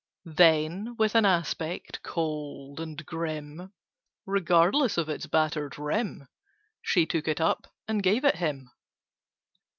Then, with an aspect cold and grim, Regardless of its battered rim, She took it up and gave it him.